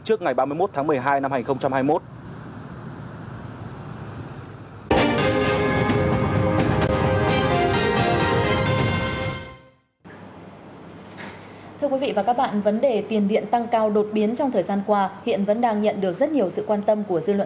trước ngày ba mươi một tháng một mươi hai năm hai nghìn hai mươi một